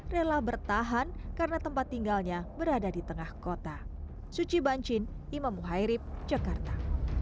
rela bertahan karena tempat tinggalnya berada di tengah kota suci bancin imam muhairib jakarta